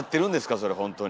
それ本当に。